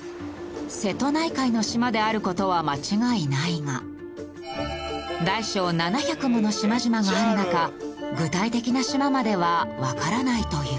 瀬戸内海の島である事は間違いないが大小７００もの島々がある中具体的な島まではわからないという。